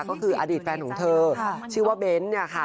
ก็คืออดีตแฟนของเธอชื่อว่าเบ้นเนี่ยค่ะ